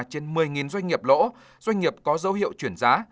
trên một mươi doanh nghiệp lỗ doanh nghiệp có dấu hiệu chuyển giá